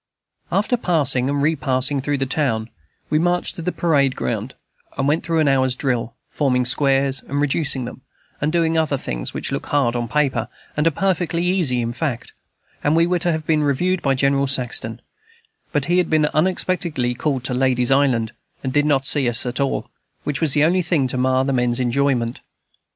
After passing and repassing through the town, we marched to the parade ground, and went through an hour's drill, forming squares and reducing them, and doing other things which look hard on paper, and are perfectly easy in fact; and we were to have been reviewed by General Saxton, but he had been unexpectedly called to Ladies Island, and did not see us at all, which was the only thing to mar the men's enjoyment.